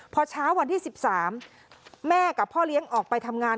พอเช้าวันที่๑๓แม่กับพ่อเลี้ยงออกไปทำงาน